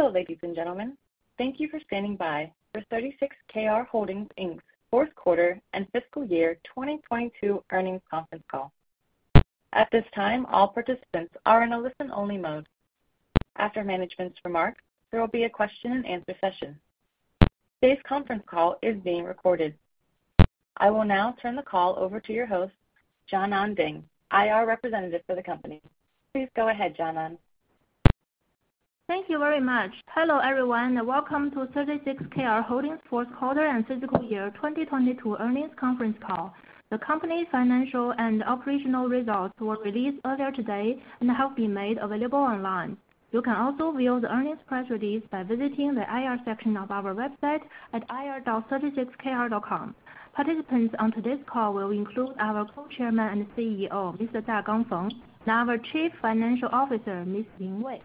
Hello, ladies and gentlemen. Thank you for standing by for 36Kr Holdings Inc.'s fourth quarter and fiscal year 2022 earnings conference call. At this time, all participants are in a listen-only mode. After management's remarks, there will be a question and answer session. Today's conference call is being recorded. I will now turn the call over to your host, Jianan Bing, IR representative for the company. Please go ahead, Jianan. Thank you very much. Hello, everyone, and welcome to 36Kr Holdings fourth quarter and fiscal year 2022 earnings conference call. The company's financial and operational results were released earlier today and have been made available online. You can also view the earnings press release by visiting the IR section of our website at ir.36kr.com. Participants on today's call will include our Co-chairman and CEO, Mr. Dagang Feng, and our Chief Financial Officer, Ms. Ling Wei.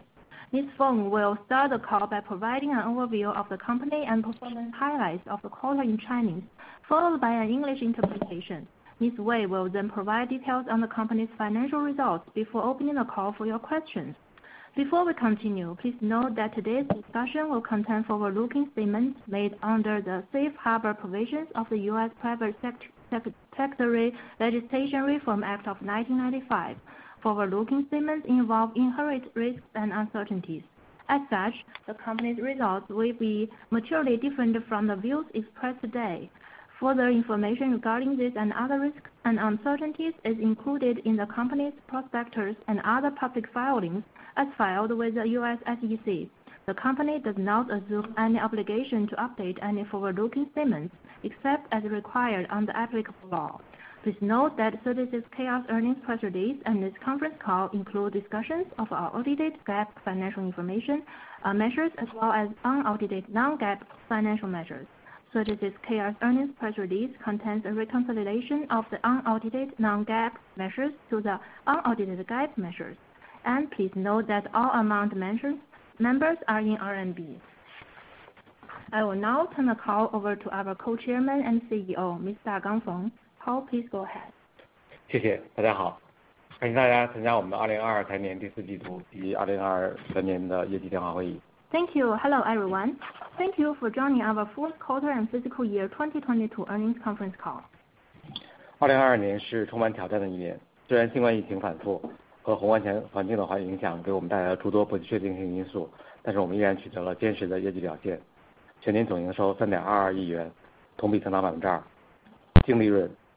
Ms. Feng will start the call by providing an overview of the company and performance highlights of the quarter in Chinese, followed by an English interpretation. Ms. Wei will provide details on the company's financial results before opening the call for your questions. Before we continue, please note that today's discussion will contain forward-looking statements made under the Safe Harbor provisions of the U.S. Private Securities Litigation Reform Act of 1995. Forward-looking statements involve inherent risks and uncertainties. As such, the company's results will be materially different from the views expressed today. Further information regarding this and other risks and uncertainties is included in the company's prospectors and other public filings as filed with the U.S. SEC. The company does not assume any obligation to update any forward-looking statements except as required under applicable law. Please note that 36Kr's earnings press release and this conference call include discussions of our audited GAAP financial information measures, as well as unaudited non-GAAP financial measures. 36Kr's earnings press release contains a reconciliation of the unaudited non-GAAP measures to the unaudited GAAP measures. Please note that all amount mentions, numbers are in RMB. I will now turn the call over to our Co-chairman and CEO, Mr. Dagang Feng. Paul, please go ahead. Thank you. Hello, everyone. Thank you for joining our fourth quarter and fiscal year 2022 earnings conference call.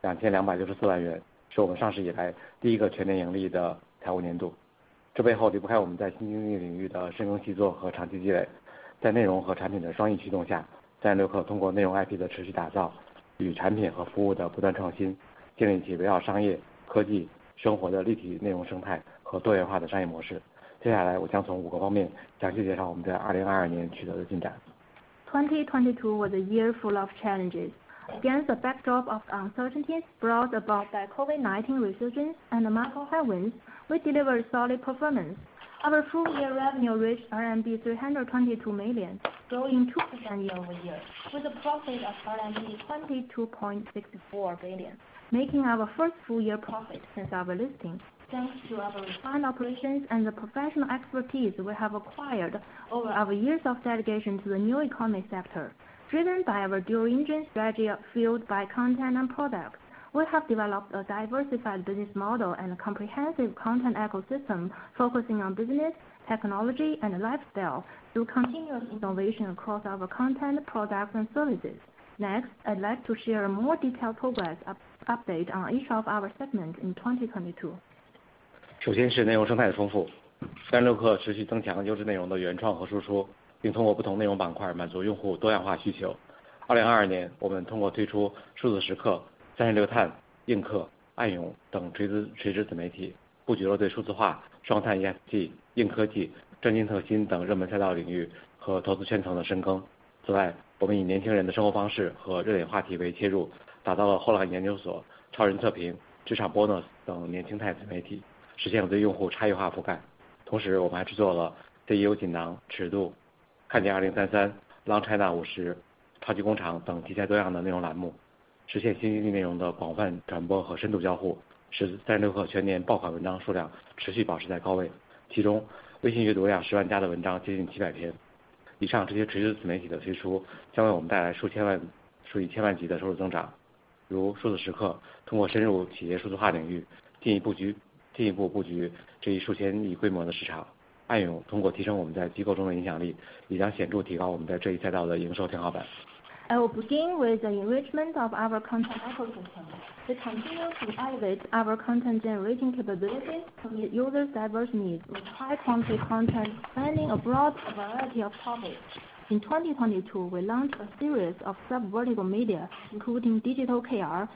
2022 was a year full of challenges. Against the backdrop of uncertainties brought about by COVID-19 resurgence and macro headwinds, we delivered solid performance. Our full year revenue reached RMB 322 million, growing 2% year-over-year, with a profit of RMB 22.64 billion, making our first full year profit since our listing. Thanks to our refined operations and the professional expertise we have acquired over our years of dedication to the new economy sector, driven by our dual-engine strategy fueled by content and products, we have developed a diversified business model and a comprehensive content ecosystem focusing on business, technology, and lifestyle through continuous innovation across our content, products, and services. I'd like to share a more detailed progress update on each of our segments in 2022. I will begin with the enrichment of our content ecosystem. We continue to elevate our content-generating capabilities to meet users' diverse needs with high-quality content spanning a broad variety of topics. In 2022, we launched a series of sub-vertical media, including Digital KR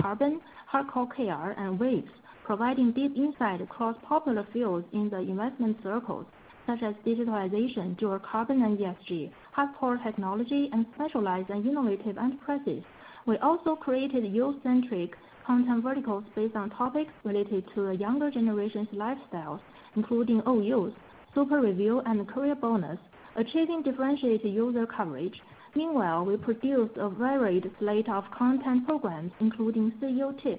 Carbon, Hardcore KR, and Waves, providing deep insight across popular fields in the investment circles, such as digitalization, dual carbon and ESG, hardcore technology, and specialized and innovative enterprises. We also created youth-centric content verticals based on topics related to the younger generation's lifestyles, including OU, Super Review, and Career Bonus, achieving differentiated user coverage. We produced a varied slate of content programs, including CEO TipsSkill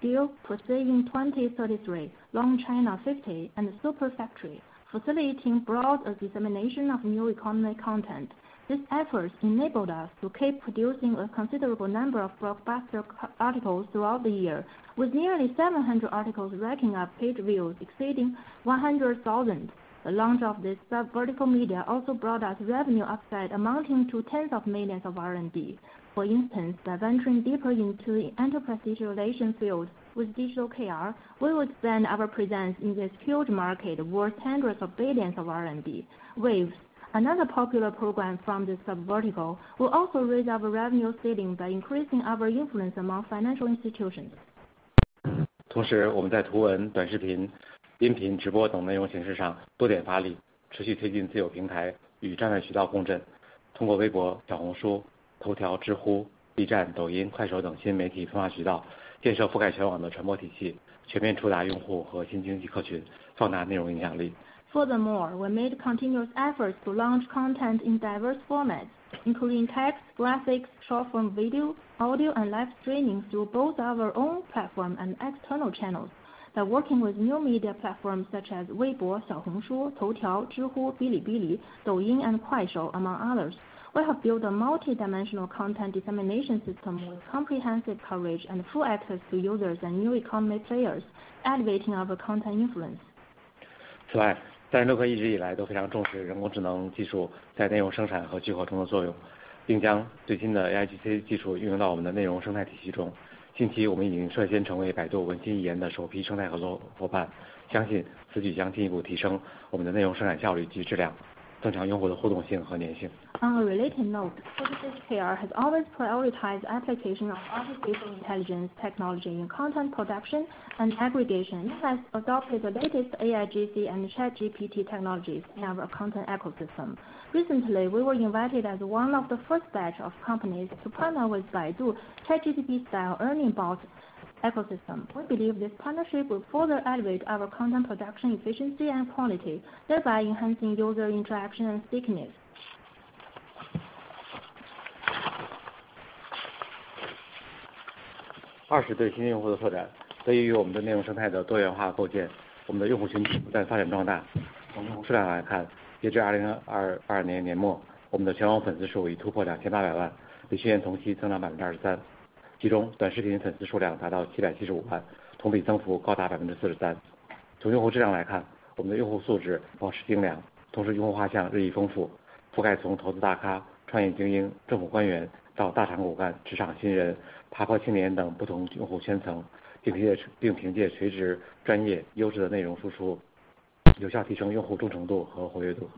for saving 2033, Long China Fifty and the Super Factory, facilitating broad dissemination of new economy content. These efforts enabled us to keep producing a considerable number of blockbuster articles throughout the year, with nearly 700 articles racking up page views exceeding 100,000. The launch of this subvertical media also brought us revenue upside amounting to RMB tens of millions. For instance, by venturing deeper into the enterprise visualization field with digital PR, we expand our presence in this huge market worth RMB hundreds of billions. Waves, another popular program from this subvertical, will also raise our revenue savings by increasing our influence among financial institutions. 同时我们在图文、短视频、音频、直播等内容形式上多点发 力， 持续推进自有平台与战略渠道共振。通过微博、小红书、头条、知乎、B 站、抖音、快手等新媒体推广渠 道， 建设覆盖全网的传播体 系， 全面触达用户和新经济客 群， 放大内容影响 力. Furthermore, we made continuous efforts to launch content in diverse formats, including text, graphics, short-form video, audio, and live streaming through both our own platform and external channels. By working with new media platforms such as Weibo, Xiaohongshu, Toutiao, Zhihu, Bilibili, Douyin, and Kuaishou, among others, we have built a multidimensional content dissemination system with comprehensive coverage and full access to users and new economy players, elevating our content influence. 此外 ，36 氪一直以来都非常重视人工智能技术在内容生产和聚合中的作 用， 并将最新的 AIGC 技术运用到我们的内容生态体系中。近 期， 我们已经率先成为百度文心一言的首批生态 合， 合伙 人， 相信此举将进一步提升我们的内容生产效率及质 量， 增强用户的互动性和粘性。On a related note, 36Kr has always prioritized application of artificial intelligence technology in content production and aggregation. It has adopted the latest AIGC and ChatGPT technologies in our content ecosystem. Recently, we were invited as one of the first batch of companies to partner with Baidu ChatGPT-style Ernie Bot ecosystem. We believe this partnership will further elevate our content production efficiency and quality, thereby enhancing user interaction and stickiness. 二是对新用户的拓 展. 得益于我们的内容生态的多元化构 建, 我们的用户群体不断发展壮 大. 我们从质量来 看, 截至2022年年 末, 我们的全网粉丝数已突破 2,800 万, 比去年同期增长 23%. 其中短视频粉丝数量达到775 万, 同比增幅高达 43%. 从用户质量来 看, 我们的用户素质保持精 良, 同时用户画像日益丰 富, 覆盖从投资大 咖, 创业精 英, 政府官员到大厂骨 干, 职场新 人, 爬坡青年等不同用户圈 层, 并凭借垂 直, 专 业, 优质的内容输 出, 有效提升用户忠诚度和活跃 度.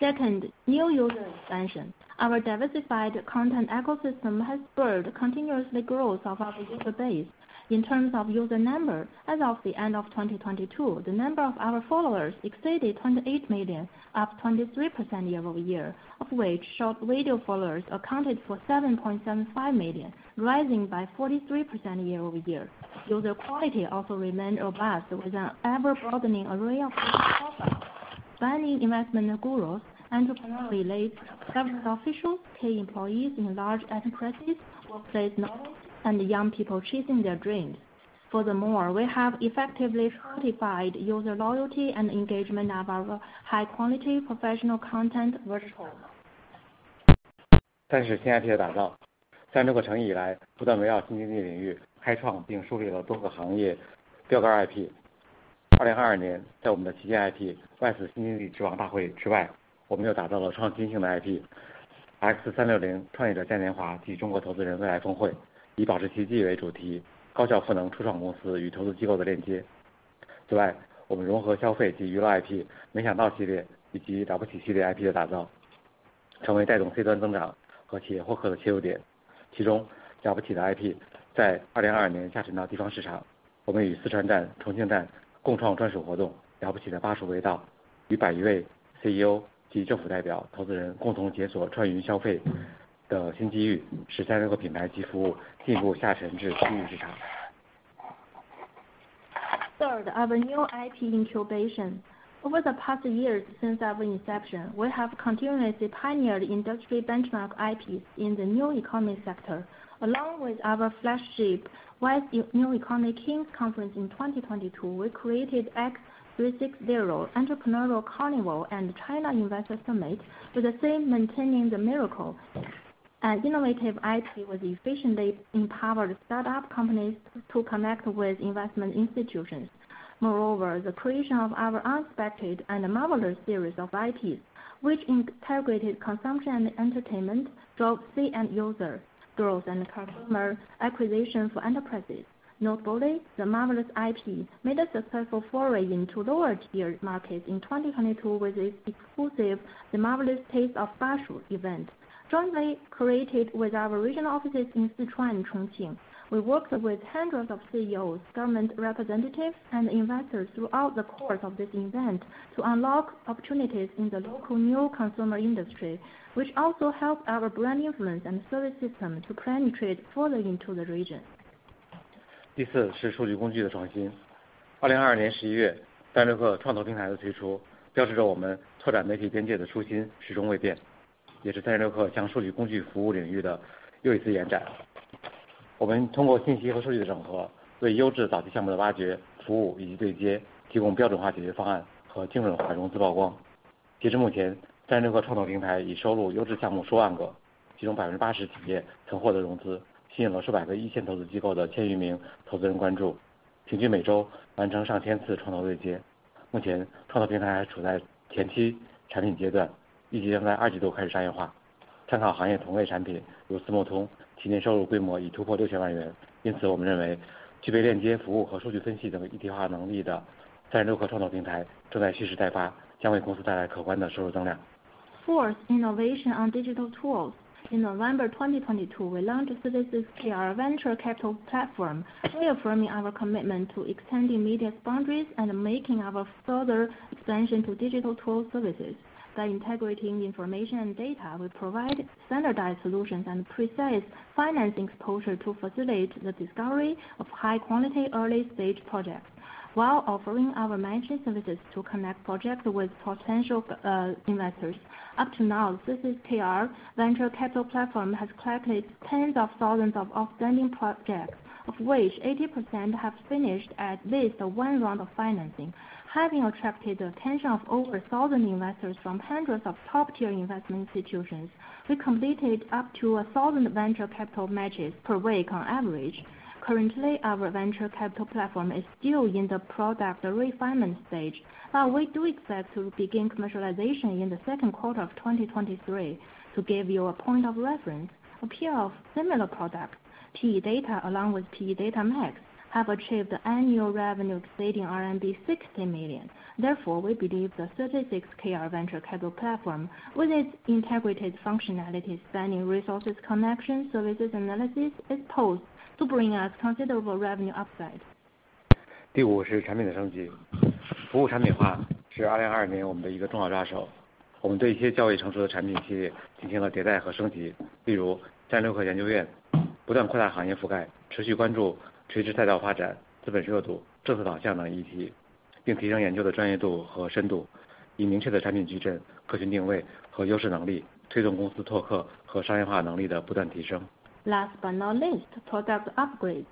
Second, new user expansion. Our diversified content ecosystem has spurred continuous growth of our user base. In terms of user numbers, as of the end of 2022, the number of our followers exceeded 28 million, up 23% year-over-year, of which short video followers accounted for 7.75 million, rising by 43% year-over-year. User quality also remained robust, with an ever-broadening array of user profiles: funding investment gurus, entrepreneur elites, government officials, key employees in large enterprises, workplace novels, and young people chasing their dreams. Furthermore, we have effectively solidified user loyalty and engagement of our high-quality professional content verticals. 三是新 IP 的打造。36 氪成立以 来， 不断为新经济领域开创并树立了多个行业标杆 IP。2022 年， 在我们的旗舰 IP Wise 新经济之王大会之外，我们又打造了创经型的 IP，X360 创业者嘉年华及中国投资人未来峰 会， 以保持奇迹为主 题， 高效赋能初创公司与投资机构的链接。此 外， 我们融合消费及娱乐 IP 没想到系列以及了不起系列 IP 的打 造， 成为带动 C 端增长和企业获客的切入点。其中了不起的 IP 在2022年下沉到地方市场。我们与四川站、重庆站共创专属活 动， 了不起的巴蜀味 道， 与百余位 CEO 及政府代表、投资人共同解锁川渝消费的新机 遇， 使36氪品牌及服务进一步下沉至新经济市场。Third, our new IP incubation. Over the past years since our inception, we have continuously pioneered industry benchmark IPs in the new economy sector. Along with our flagship WISE New Economy Kings Conference in 2022, we created X360 Entrepreneur Carnival and China Investor Summit with the theme Maintaining the Miracle. An innovative IP was efficiently empowered startup companies to connect with investment institutions. Moreover, the creation of our Unexpected and Marvelous series of IPs, which integrated consumption and entertainment, drove C-end user growth and customer acquisition for enterprises. Notably, the Marvelous IP made a successful foray into lower-tier markets in 2022 with its exclusive The Marvelous Taste of Bashu event, jointly created with our regional offices in Sichuan and Chongqing. We worked with hundreds of CEOs, government representatives, and investors throughout the course of this event to unlock opportunities in the local new consumer industry, which also helped our brand influence and service system to penetrate further into the region. 第四是数据工具的创新。2022 年11月 ，36 氪创投平台的推 出， 标志着我们拓展媒体边界的初心始终未变。也是36氪向数据工具服务领域的又一次延展。我们通过信息和数据的整 合， 对优质早期项目的挖掘、服务以及对接提供标准化解决方案和精准的融资曝光。截至目前 ，36 氪创投平台已收录优质项目数万 个， 其中百分之八十的企业曾获得融资，吸引了数百个一线投资机构的千余名投资人关 注， 平均每周完成上千次创投对接。目前创投平台还处在前期产品阶 段， 预计将在二季度开始商业化。参考行业同类产 品， 如思摩 通， 今年收入规模已突破六千万元。因 此， 我们认 为， 具备链接服务和数据分析等一体化能力的36氪创投平台正在蓄势待 发， 将为公司带来可观的收入增量。Fourth, innovation on digital tools. In November 2022, we launched 36Kr Venture Capital Platform, reaffirming our commitment to extending media's boundaries and making our further expansion to digital tool services. By integrating information and data, we provide standardized solutions and precise financing exposure to facilitate the discovery of high-quality early-stage projects, while offering our matching services to connect projects with potential investors. Up to now, 36Kr Venture Capital Platform has collected tens of thousands of outstanding projects, of which 80% have finished at least one round of financing. Having attracted the attention of over 1,000 investors from hundreds of top-tier investment institutions, we completed up to 1,000 venture capital matches per week on average. Currently, our venture capital platform is still in the product refinement stage, but we do expect to begin commercialization in the second quarter of 2023. To give you a point of reference, a pair of similar products, PE Data along with PE Data Max, have achieved annual revenue exceeding RMB 60 million. We believe the 36Kr Venture Capital Platform, with its integrated functionalities spanning resources connection, services analysis, is posed to bring us considerable revenue upside. 第五是产品的升级。服务产品化是2022年我们的一个重要抓手。我们对一些较为成熟的产品系列进行了迭代和升 级， 例如36氪研究院不断扩大行业覆 盖， 持续关注垂直赛道发展、资本热度、政策方向等议 题， 并提升研究的专业度和深 度， 以明确的产品矩阵、科学定位和优势能 力， 推动公司拓客和商业化能力的不断提升。Last but not least, product upgrades.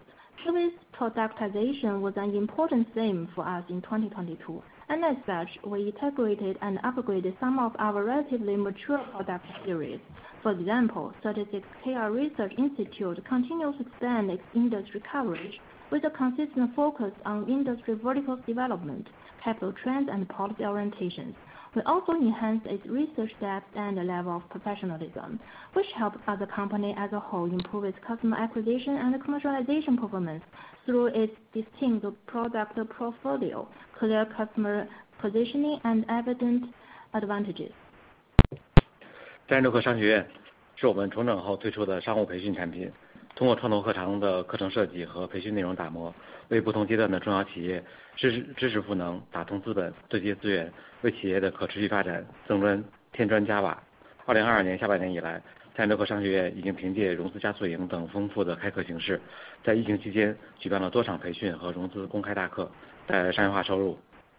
Service productization was an important theme for us in 2022. As such, we integrated and upgraded some of our relatively mature product series. For example, 36Kr Research Institute continued to expand its industry coverage with a consistent focus on industry vertical development, capital trends, and policy orientations. We also enhanced its research depth and level of professionalism, which helped as a company as a whole improve its customer acquisition and commercialization performance through its distinct product portfolio, clear customer positioning, and evident advantages. 36Kr Business School 是我们重整后推出的商务培训产 品. 通过创投课长的课程设计和培训内容打 磨, 为不同阶段的中小企业 支持赋能, 打通资本对接资 源, 为企业的可持续发展增砖添砖加 瓦. 2022下半年以 来, 36Kr Business School 已经凭借融资加速营等丰富的开课形 式, 在疫情期间举办了多场培训和融资公开大 课, 带来商业化收 入.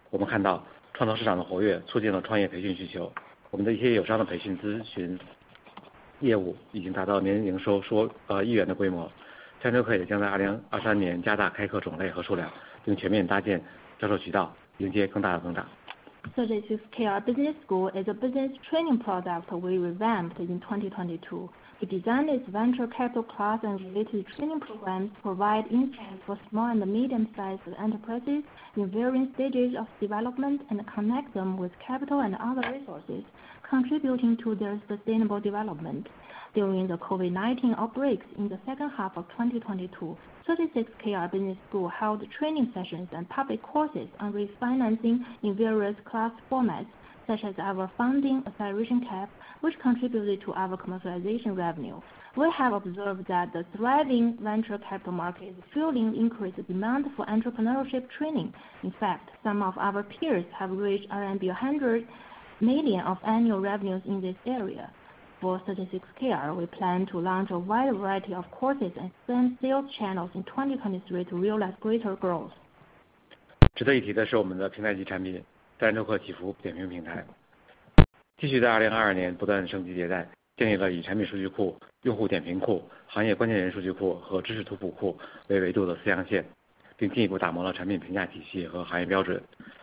我们看到创投市场的活跃促进了创业培训需 求, 我们的一些友商的培训咨询业务已经达到年营收 RMB 100 million 的规 模, 36Kr 也将在2023加大开课种类和数 量, 并全面搭建销售渠 道, 迎接更大的增 长. 36Kr Business School is a business training product we revamped in 2022. We designed its venture capital class and related training programs to provide insights for small and medium-sized enterprises in varying stages of development and connect them with capital and other resources, contributing to their sustainable development. During the COVID-19 outbreaks in the second half of 2022, 36Kr Business School held training sessions and public courses on refinancing in various class formats, such as our funding acceleration camp, which contributed to our commercialization revenue. We have observed that the thriving venture capital market is fueling increased demand for entrepreneurship training. Some of our peers have reached 100 million of annual revenues in this area. We plan to launch a wide variety of courses and expand sales channels in 2023 to realize greater growth. 值得一提的是我们的平台级产品36氪企服点评平台继续在2022年不断升级迭 代， 建立了以产品数据库、用户点评库、行业关键人数据库和知识图谱库为维度的四行 线， 并进一步打磨了产品评价体系和行业标准。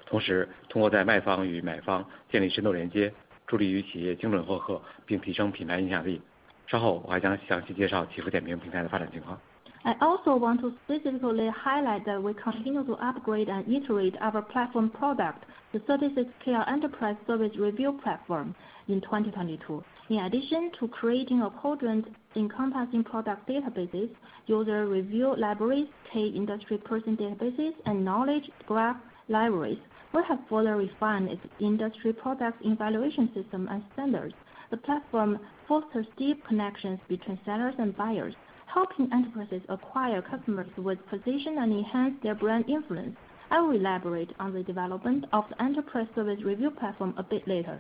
同时通过在卖方与买方建立深度连 接， 助力于企业精准获 客， 并提升品牌影响力。稍 后， 我还将详细介绍企服点评平台的发展情况。I also want to specifically highlight that we continue to upgrade and iterate our platform product, the 36Kr Enterprise Service Review Platform in 2022. In addition to creating a quadrant encompassing product databases, user review libraries, key industry person databases, and knowledge graph libraries, we have further refined its industry product evaluation system and standards. The platform fosters deep connections between sellers and buyers, helping enterprises acquire customers with precision and enhance their brand influence. I will elaborate on the development of the Enterprise Service Review Platform a bit later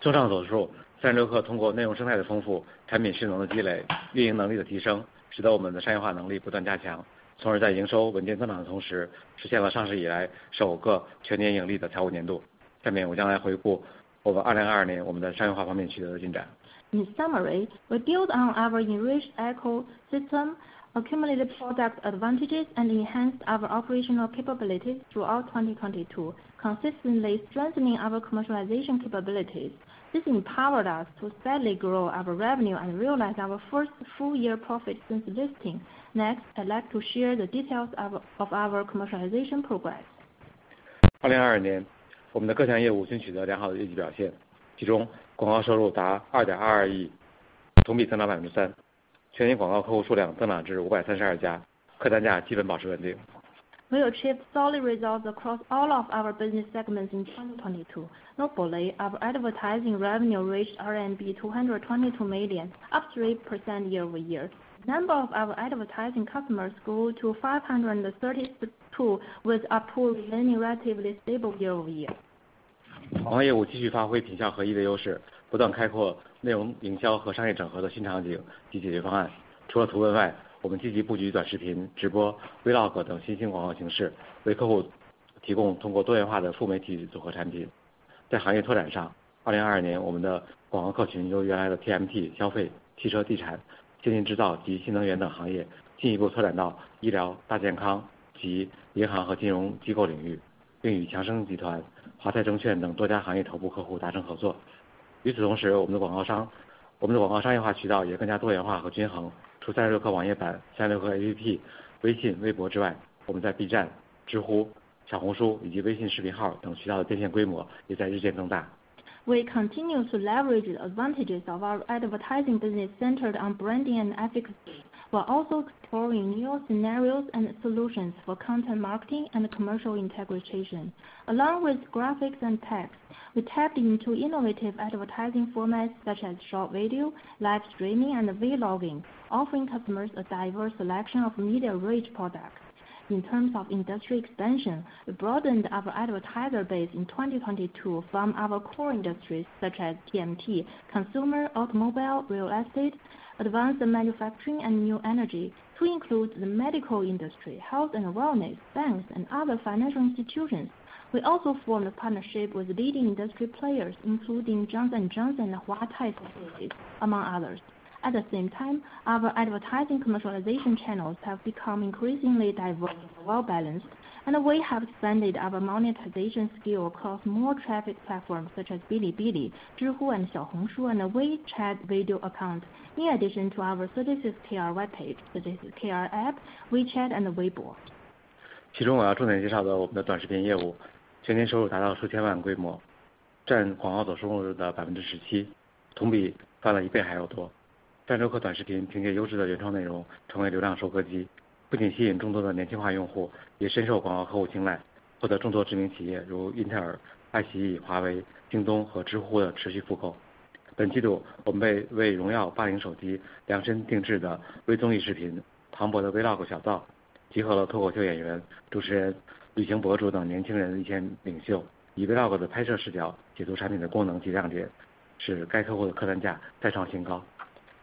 综上所 述, 36Kr 通过内容生态的丰 富, 产品性能的积 累, 运营能力的提 升, 使得我们的商业化能力不断加 强, 从而在营收稳健增长的同 时, 实现了上市以来首个全年盈利的财务年 度. 下面我将来回顾我们2022年我们的商业化方面取得的进 展. In summary, we built on our enriched ecosystem, accumulated product advantages, and enhanced our operational capabilities throughout 2022, consistently strengthening our commercialization capabilities. This empowered us to steadily grow our revenue and realize our first full year profit since listing. I'd like to share the details of our commercialization progress. 2022年我们的各项业务均取得良好的业绩表 现， 其中广告收入达二点二二 亿， 同比增长百分之 三， 全年广告客户数量增长至五百三十二 家， 客单价基本保持稳定。We achieved solid results across all of our business segments in 2022. Notably, our advertising revenue reached RMB 222 million, up 3% year-over-year. The number of our advertising customers grew to 532, with approved relatively stable year-over-year. 广告业务继续发挥品效合一的优 势， 不断开拓内容营销和商业整合的新场景及解决方案。除了图文 外， 我们积极布局短视频、直播、Vlog 等新兴广告形 式， 为客户提供通过多元化的副媒体组合产品。在行业拓展上 ，2022 年我们的广告客群由原来的 TMT、消费、汽车、地产、先进制造及新能源等行业进一步拓展到医疗、大健康及银行和金融机构领 域， 并与强生集团、华泰证券等多家行业头部客户达成合作。与此同 时， 我们的广告 商， 我们的广告商业化渠道也更加多元化和均衡。除36氪网页版、36 氪 APP、微信、微博之 外， 我们在 B 站、知乎、小红书以及微信视频号等渠道的建线规模也在日渐增大。We continue to leverage the advantages of our advertising business centered on branding and efficacy, while also exploring new scenarios and solutions for content marketing and commercial integration. Along with graphics and text, we tapped into innovative advertising formats such as short video, live streaming, and vlogging, offering customers a diverse selection of media-rich products. In terms of industry expansion, we broadened our advertiser base in 2022 from our core industries such as TMT, consumer, automobile, real estate, advanced manufacturing, and new energy to include the medical industry, health and wellness, banks, and other financial institutions. We also formed a partnership with leading industry players including Johnson & Johnson and Huatai Securities, among others. At the same time, our advertising commercialization channels have become increasingly diverse and well-balanced, and we have expanded our monetization scale across more traffic platforms such as Bilibili, Zhihu, and Xiaohongshu, and the WeChat video account. In addition to our 36Kr webpage, 36Kr app, WeChat, and Weibo. 其中我要重点介绍的我们的短视频业 务， 全年收入达到数千万规 模， 占广告总收入的百分之十 七， 同比翻了一倍还要多。36 氪短视频凭借优质的原创内容成为流量收割 机， 不仅吸引众多的年轻化用 户， 也深受广告客户青 睐， 获得众多知名企业如 Intel、爱奇艺、华为、京东和知乎的持续复购。本季 度， 我们 为， 为荣耀80手机量身定制的微综艺视频《唐博的 Vlog 小灶》，集合了脱口秀演员、主持人、旅行博主等年轻人意见领 袖， 以 Vlog 的拍摄视角解读产品的功能及亮 点， 使该客户的客单价再创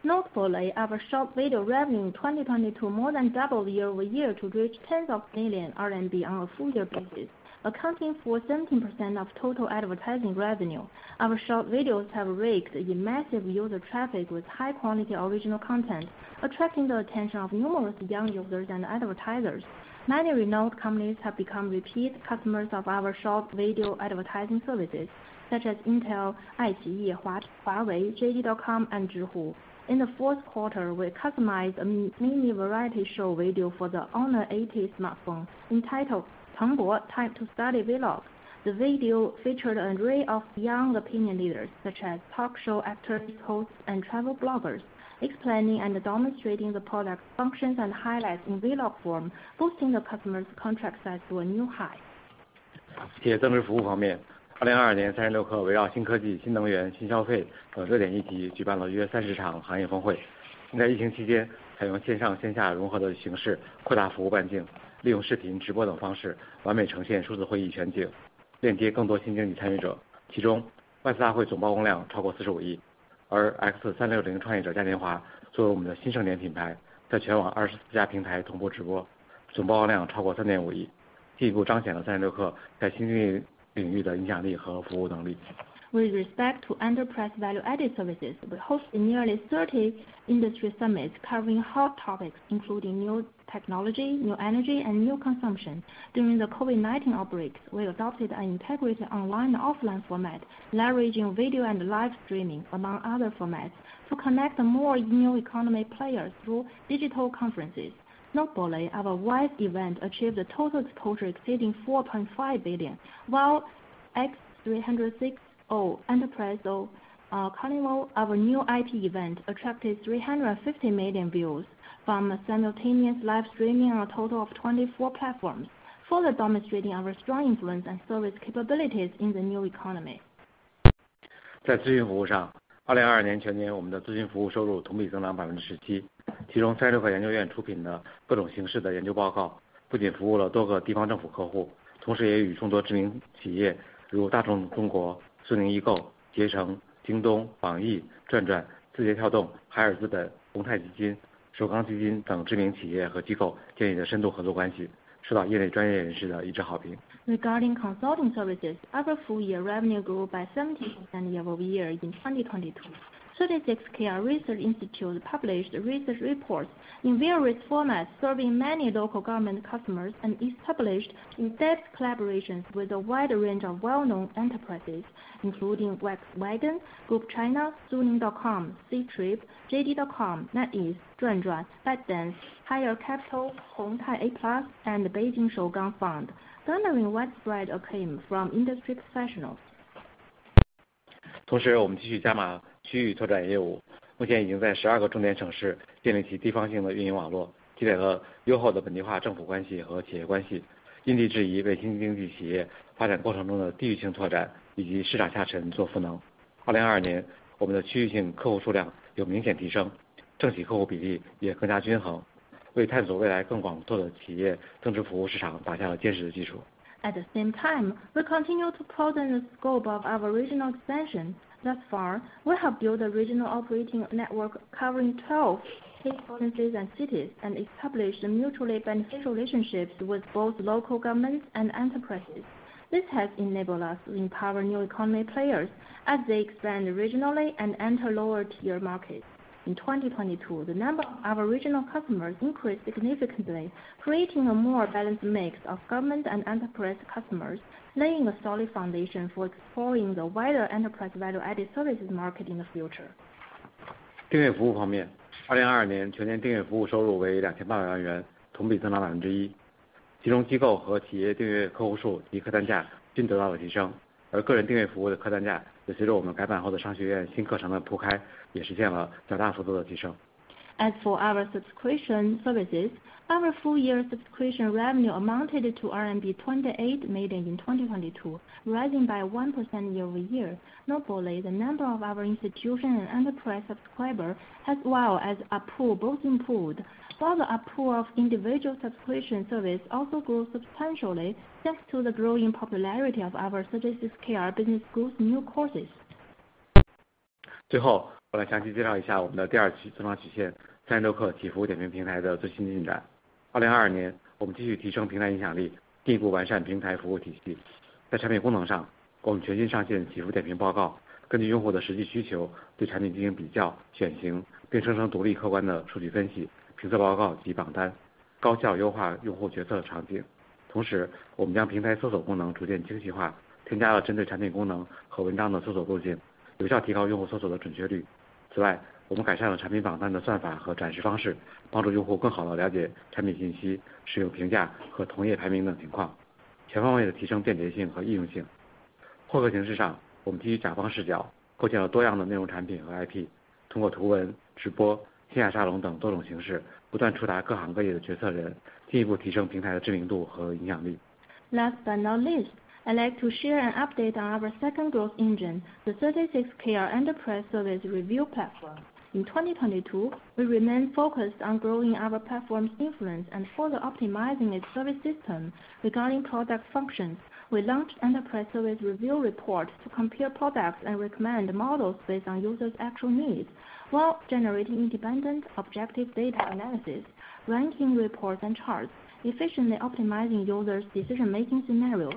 新高。Notably, our short video revenue in 2022 more than doubled year-over-year to reach tens of million RMB on a full year basis, accounting for 17% of total advertising revenue. Our short videos have raked in massive user traffic with high quality original content, attracting the attention of numerous young users and advertisers. Many renowned companies have become repeat customers of our short video advertising services such as Intel, iQIYI, 华为, JD.com and Zhihu. In the fourth quarter, we customized a mini variety show video for the Honor 80 smartphone entitled Tangbo Time to Study Vlog. The video featured an array of young opinion leaders such as talk show actors, hosts, and travel bloggers, explaining and demonstrating the product functions and highlights in vlog form, boosting the customer's contract size to a new high. 企业增值服务方面， 2022年36氪围绕新科技、新能源、新消费等热点议题举办了约三十场行业峰 会， 并在疫情期间采用线上线下融合的形式扩大服务半 径， 利用视频直播等方式完美呈现数字会议全 景， 链接更多新经济参与者。其中 Wise 大会总曝光量超过四十五 亿， 而 X 360创业者嘉年华作为我们的新盛典品 牌， 在全网二十四家平台同步直 播， 总曝光量超过三点五 亿， 进一步彰显了36氪在新经济领域的影响力和服务能力。With respect to enterprise value added services, we hosted nearly 30 industry summits covering hot topics including new technology, new energy, and new consumption. During the COVID-19 outbreak, we adopted an integrated online offline format, leveraging video and live streaming, among other formats, to connect more new economy players through digital conferences. Notably, our WISE event achieved a total exposure exceeding 4.5 billion, while X360 Entrepreneur Carnival, our new IP event, attracted 350 million views from simultaneous live streaming on a total of 24 platforms, further demonstrating our strong influence and service capabilities in the new economy. 在咨询服务上 ，2022 年全年我们的咨询服务收入同比增长百分之十 七， 其中三十六氪研究院出品的各种形式的研究报 告， 不仅服务了多个地方政府客 户， 同时也与众多知名企 业， 如大众中国、苏宁易购、携程、京东、网易、转转、字节跳动、海尔资本、红太基金、首钢基金等知名企业和机构建立了深度合作关 系， 受到业内专业人士的一致好评。Regarding consulting services. Our full year revenue grew by 17% year-over-year in 2022. 36Kr Research Institute published research reports in various formats serving many local government customers, and established in-depth collaborations with a wide range of well-known enterprises including Volkswagen Group China, Suning.com, Ctrip, JD.com, NetEase, Zhuanzhuan, ByteDance, Hill Capital, Hongtai Aplus and Beijing Shougang Fund, garnering widespread acclaim from industry professionals. 同时我们继续加码区域拓展业 务， 目前已经在十二个重点城市建立起地方性的运营网 络， 建立了优厚的本地化政府关系和企业关 系， 因地制宜为新经济企业发展过程中的地域性拓展以及市场下沉做赋能。2022 年， 我们的区域性客户数量有明显提 升， 政企客户比例也更加均 衡， 为探索未来更广阔的企业政治服务市场打下了坚实的基础。At the same time, we continue to broaden the scope of our regional expansion. Thus far, we have built a regional operating network covering 12 key provinces and cities, and established mutually beneficial relationships with both local governments and enterprises. This has enabled us to empower new economy players as they expand regionally and enter lower tier markets. In 2022, the number of regional customers increased significantly, creating a more balanced mix of government and enterprise customers, laying a solid foundation for exploring the wider enterprise value added services market in the future. 订阅服务方面 ，2022 年全年订阅服务收入为两千八百万 元， 同比增长百分之 一， 其中机构和企业订阅客户数及客单价均得到了提 升， 而个人订阅服务的客单价也随着我们改版后的商学院新课程的铺 开， 也实现了较大幅度的提升。As for our subscription services. Our full year subscription revenue amounted to RMB 28 million in 2022, rising by 1% year-over-year. Notably, the number of our institution and enterprise subscribers, as well as ARPU, both improved. Further ARPU of individual subscription service also grew substantially, thanks to the growing popularity of our 36Kr Business School's new courses. 最 后， 我来详细介绍一下我们的第二级增长曲 线， 三十六氪企服务点评平台的最新进展。2022 年， 我们继续提升平台影响 力， 进一步完善平台服务体系。在产品功能 上， 我们全新上线企服点评报 告， 根据用户的实际需 求， 对产品进行比较、选 型， 并生成独立客观的数据分析、评测报告及榜 单， 高效优化用户决策场景。同 时， 我们将平台搜索功能逐渐精细 化， 添加了针对产品功能和文章的搜索构 建， 有效提高用户搜索的准确率。此 外， 我们改善了产品榜单的算法和展示方 式， 帮助用户更好地了解产品信息、使用评价和同业排名等情 况， 全方位地提升便捷性和易用性。获客形式 上， 我们基于甲方视 角， 构建了多样的内容、产品和 IP， 通过图文、直播、线下沙龙等多种形 式， 不断触达各行各业的决策 人， 进一步提升平台的知名度和影响力。Last but not least, I'd like to share an update on our second growth engine: the 36Kr Enterprise Service Review platform. In 2022, we remain focused on growing our platform's influence and further optimizing its service system. Regarding product functions, we launched Enterprise Service Review reports to compare products and recommend models based on users actual needs, while generating independent, objective data analysis, ranking reports, and charts efficiently optimizing users decision making scenarios.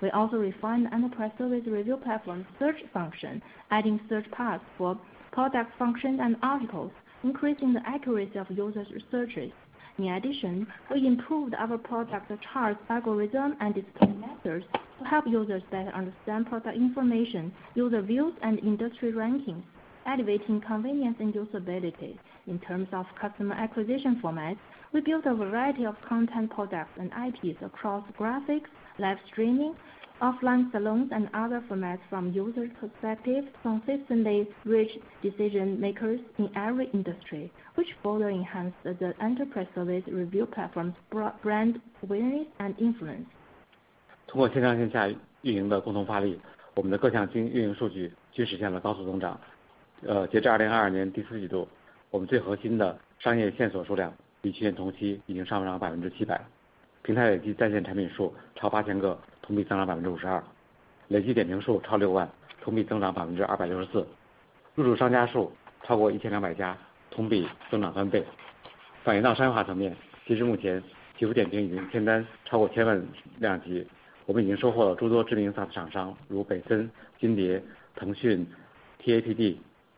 We also refined the Enterprise Service Review platform search function, adding search paths for product functions and articles, increasing the accuracy of users researches. In addition, we improved our product charts, algorithm and display methods to help users better understand product information, user views, and industry rankings, elevating convenience and usability. In terms of customer acquisition formats, we built a variety of content, products and IPs across graphics, live streaming, offline salons, and other formats from user perspective, consistently reached decision makers in every industry, which further enhanced the Enterprise Service Review platform's brand awareness and influence. 通过线上线下运营的共同发 力， 我们的各项经营运营数据均实现了高速增长。呃， 截至2022年第四季 度， 我们最核心的商业线索数量与去年同期已经上涨百分之七 百， 平台累计在线产品数超八千个，同比增长百分之五十 二； 累计点评数超六 万， 同比增长百分之二百六十 四； 入驻商家数超过一千两百家 ，同 比增长三倍。反映到商业化层面 ，截 至目 前， 企服点评已经签单超过千万量级。我们已经收获了诸多知名厂 商， 如北森、金蝶、腾讯、TAPT、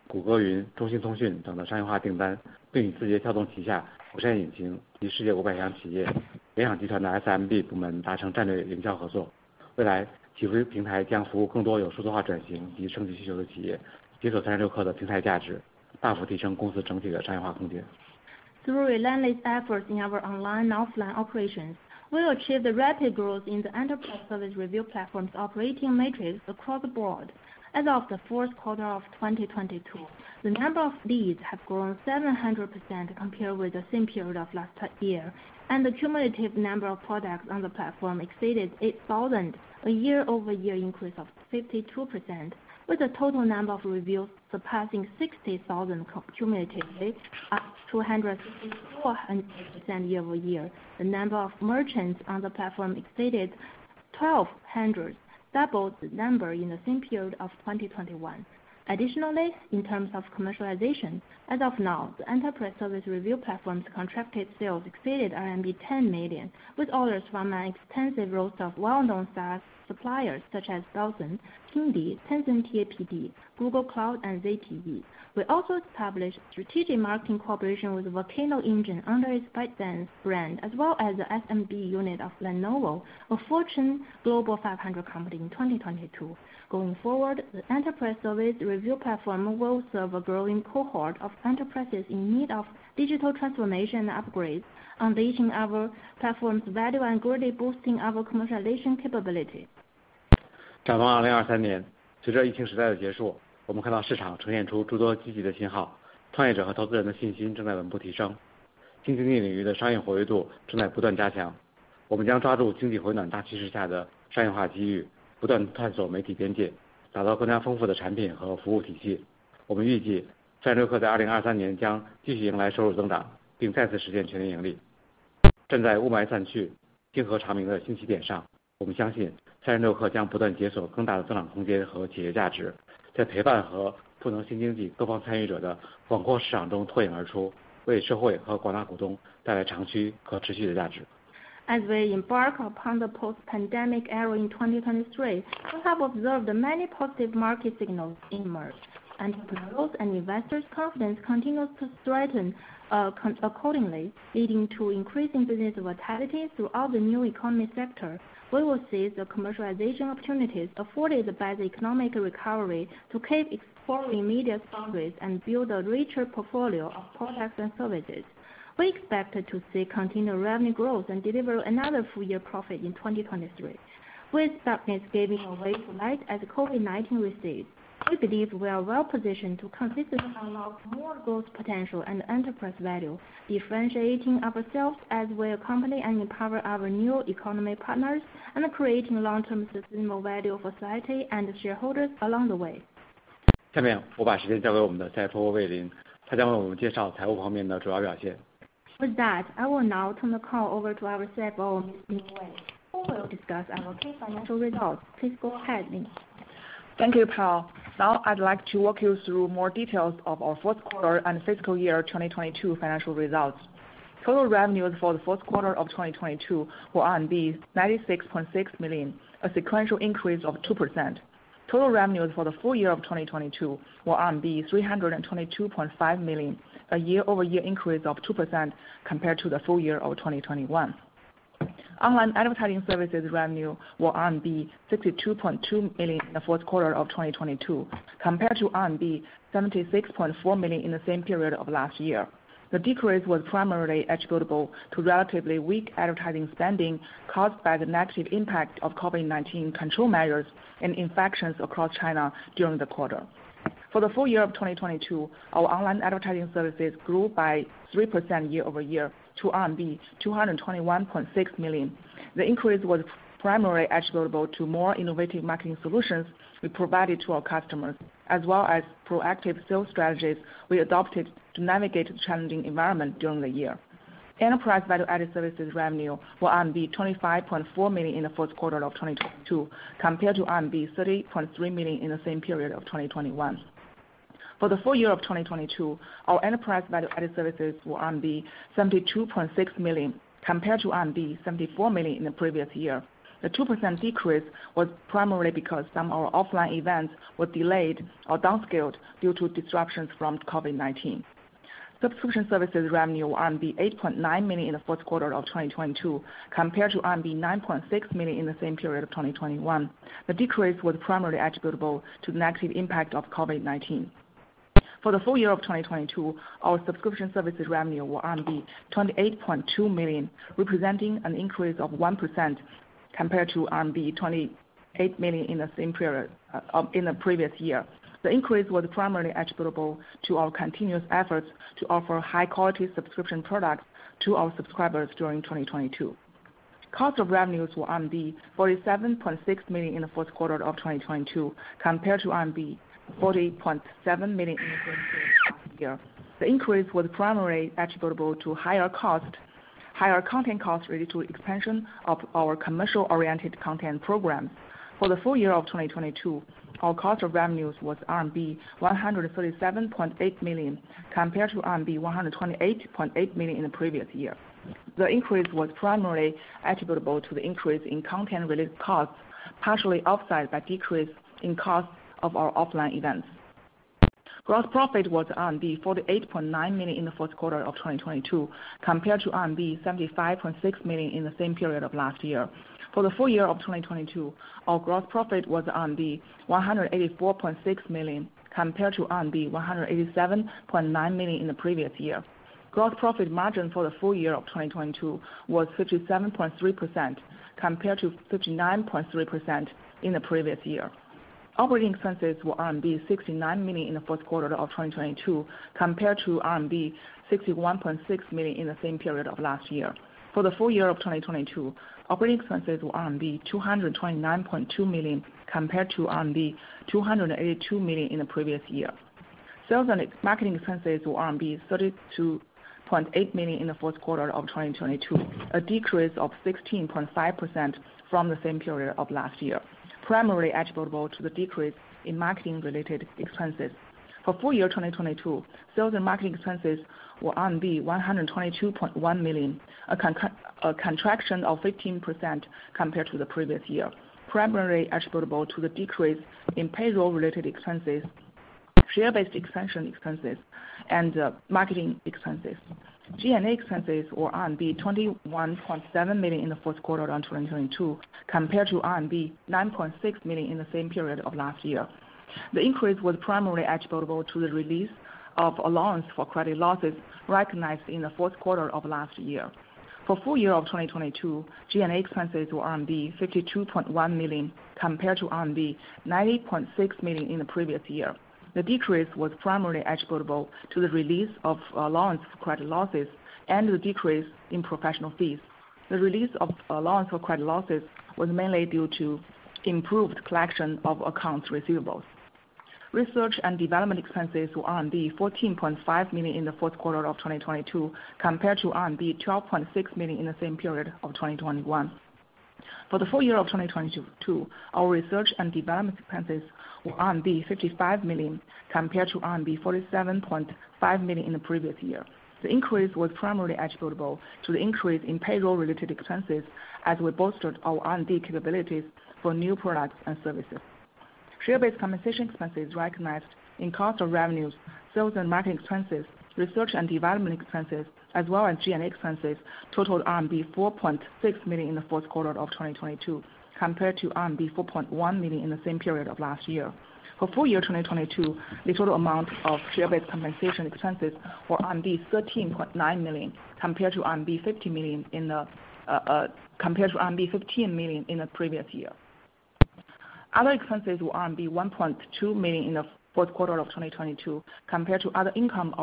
谷歌云、中兴通讯等的商业化订 单， 并与字节跳动旗下火线引擎及世界五百强企业联想集团的 SMB 部门达成战略营销合作。未 来， 企服平台将服务更多有数字化转型以及升级需求的企 业， 解锁三十六氪的平台价 值， 大幅提升公司整体的商业化空间。Through relentless efforts in our online and offline operations, we achieved rapid growth in the Enterprise Service Review Platform's operating metrics across the board. As of the fourth quarter of 2022, the number of leads have grown 700% compared with the same period of last year, and the cumulative number of products on the platform exceeded 8,000, a year-over-year increase of 52%, with a total number of reviews surpassing 60,000 cumulatively, up 264% year-over-year. The number of merchants on the platform exceeded 1,200, double the number in the same period of 2021. Additionally, in terms of commercialization, as of now, the Enterprise Service Review Platform's contracted sales exceeded RMB 10 million, with orders from an extensive roster of well-known SaaS suppliers such as Youzan, Kingdee, Tencent TAPD, Google Cloud, and ZTE. We also established strategic marketing cooperation with Volcano Engine under its ByteDance brand, as well as the SMB unit of Lenovo, a Fortune Global 500 company in 2022. Going forward, the enterprise service review platform will serve a growing cohort of enterprises in need of digital transformation upgrades, unleashing our platform's value and greatly boosting our commercialization capability. As we embark upon the post-pandemic era in 2023, we have observed many positive market signals emerge. Enterprise growth and investors' confidence continues to strengthen accordingly, leading to increasing business vitality throughout the new economy sector. We will seize the commercialization opportunities afforded by the economic recovery to keep exploring media boundaries and build a richer portfolio of products and services. We expect to see continued revenue growth and deliver another full-year profit in 2023. With darkness giving away to light as COVID-19 recedes, we believe we are well positioned to consistently unlock more growth potential and enterprise value, differentiating ourselves as we accompany and empower our new economy partners and creating long-term sustainable value for society and shareholders along the way. With that, I will now turn the call over to our CFO, Wei Lin, who will discuss our key financial results. Please go ahead, Lin. Thank you, Chao. I'd like to walk you through more details of our fourth quarter and fiscal year 2022 financial results. Total revenues for the fourth quarter of 2022 were 96.6 million, a sequential increase of 2%. Total revenues for the full year of 2022 were 322.5 million, a year-over-year increase of 2% compared to the full year of 2021. Online advertising services revenue were 62.2 million in the fourth quarter of 2022 compared to 76.4 million in the same period of last year. The decrease was primarily attributable to relatively weak advertising spending caused by the negative impact of COVID-19 control measures and infections across China during the quarter. For the full year of 2022, our online advertising services grew by 3% year-over-year to RMB 221.6 million. The increase was primarily attributable to more innovative marketing solutions we provided to our customers, as well as proactive sales strategies we adopted to navigate the challenging environment during the year. Enterprise value-added services revenue were RMB 25.4 million in the Q4 of 2022 compared to RMB 30.3 million in the same period of 2021. For the full year of 2022, our enterprise value-added services were 72.6 million compared to 74 million in the previous year. The 2% decrease was primarily because some of our offline events were delayed or downscaled due to disruptions from COVID-19. Subscription services revenue were RMB 8.9 million in the fourth quarter of 2022 compared to RMB 9.6 million in the same period of 2021. The decrease was primarily attributable to the negative impact of COVID-19. For the full year of 2022, our subscription services revenue were 28.2 million, representing an increase of 1% compared to RMB 28 million in the same period in the previous year. The increase was primarily attributable to our continuous efforts to offer high-quality subscription products to our subscribers during 2022. Cost of revenues were RMB 47.6 million in the fourth quarter of 2022 compared to RMB 40.7 million in the same period last year. The increase was primarily attributable to higher cost, higher content costs related to expansion of our commercial-oriented content program. For the full year of 2022, our cost of revenues was RMB 137.8 million compared to RMB 128.8 million in the previous year. The increase was primarily attributable to the increase in content-related costs, partially offset by decrease in costs of our offline events. Gross profit was 48.9 million in the fourth quarter of 2022 compared to 75.6 million in the same period of last year. For the full year of 2022, our gross profit was 184.6 million compared to 187.9 million in the previous year. Gross profit margin for the full year of 2022 was 57.3% compared to 59.3% in the previous year. Operating expenses were RMB 69 million in the fourth quarter of 2022 compared to RMB 61.6 million in the same period of last year. For the full year of 2022, operating expenses were RMB 229.2 million compared to RMB 282 million in the previous year. Sales and marketing expenses were RMB 32.8 million in the fourth quarter of 2022, a decrease of 16.5% from the same period of last year, primarily attributable to the decrease in marketing related expenses. For full year 2022, sales and marketing expenses were 122.1 million, a contraction of 15% compared to the previous year, primarily attributable to the decrease in payroll related expenses, share-based extension expenses and marketing expenses. G&A expenses were RMB 21.7 million in the fourth quarter of 2022 compared to RMB 9.6 million in the same period of last year. The increase was primarily attributable to the release of allowance for credit losses recognized in the fourth quarter of last year. For full year of 2022, G&A expenses were RMB 52.1 million compared to RMB 90.6 million in the previous year. The decrease was primarily attributable to the release of allowance for credit losses and the decrease in professional fees. The release of allowance for credit losses was mainly due to improved collection of accounts receivables. Research and development expenses were 14.5 million in the fourth quarter of 2022 compared to 12.6 million in the same period of 2021. For the full year of 2022, our research and development expenses were RMB 55 million compared to RMB 47.5 million in the previous year. The increase was primarily attributable to the increase in payroll related expenses as we bolstered our R&D capabilities for new products and services. Share-based compensation expenses recognized in cost of revenues, sales and marketing expenses, research and development expenses, as well as G&A expenses totaled RMB 4.6 million in the fourth quarter of 2022 compared to RMB 4.1 million in the same period of last year. For full year 2022, the total amount of share-based compensation expenses were RMB 13.9 million compared to RMB 15 million in the previous year. Other expenses were RMB 1.2 million in the fourth quarter of 2022 compared to other income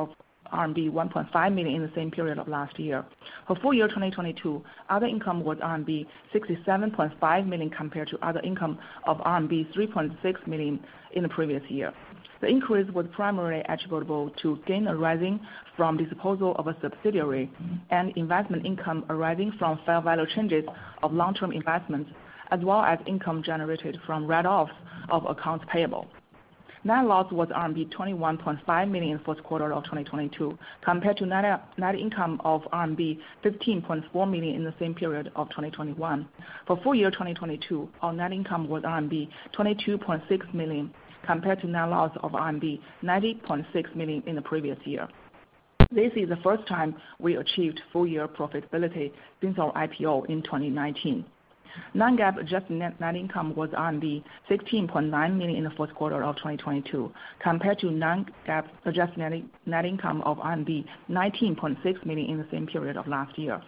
of RMB 1.5 million in the same period of last year. For full year 2022, other income was RMB 67.5 million compared to other income of RMB 3.6 million in the previous year. The increase was primarily attributable to gain arising from disposal of a subsidiary and investment income arising from fair value changes of long-term investments, as well as income generated from write-offs of accounts payable. Net loss was RMB 21.5 million in the fourth quarter of 2022 compared to net income of RMB 15.4 million in the same period of 2021. For full year 2022, our net income was RMB 22.6 million compared to net loss of RMB 90.6 million in the previous year. This is the first time we achieved full year profitability since our IPO in 2019. Non-GAAP adjusted net income was 16.9 million in the fourth quarter of 2022 compared to non-GAAP adjusted net income of 19.6 million in the same period of last year.